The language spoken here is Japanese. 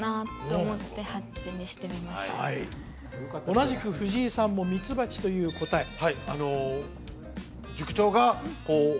同じく藤井さんもミツバチという答えはい